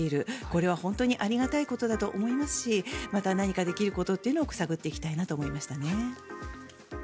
これは本当にありがたいことだと思いますしまた、何かできることというのを探っていきたいなと思いましたね。